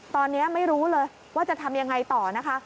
ตอนนี้ไม่รู้เลยว่าจะทำยังไงต่อนะคะ